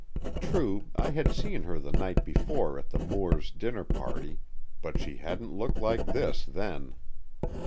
True, I had seen her the night before at the Moores' dinner party, but she hadn't looked like this then.